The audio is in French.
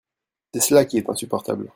C’est cela qui est insupportable.